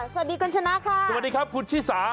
สวัสดีคุณชนะค่ะสวัสดีครับคุณชิสา